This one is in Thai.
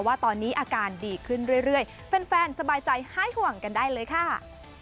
ว่าตอนนี้อาการดีขึ้นเรื่อยแฟนสบายใจหายห่วงกันได้เลยค่ะ